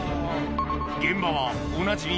現場はおなじみ